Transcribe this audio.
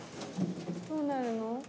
どうなるの？